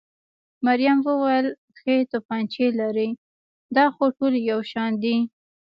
مريم وویل: ښې تومانچې لرئ؟ دا خو ټولې یو شان دي.